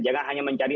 jangan hanya mencari